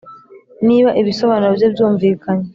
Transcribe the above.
n’iba ibisobanuro bye byumvikanye